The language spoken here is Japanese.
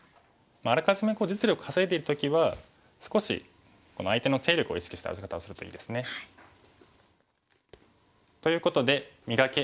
あらかじめ実利を稼いでる時は少し相手の勢力を意識した打ち方をするといいですね。ということで「磨け！